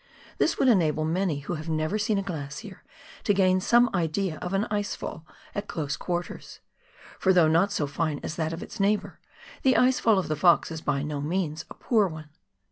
This would enable many who have never seen a glacier to gain some idea of an ice fall at close quarters, for though not so fine as that of its neighbour, the ice fall of the Fox is by no means a poor one.